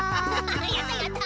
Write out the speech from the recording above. やったやった。